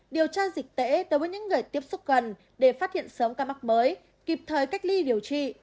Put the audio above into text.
điều tra dịch tễ đối với những người tiếp xúc gần để phát hiện sớm ca mắc mới kịp thời cách ly điều trị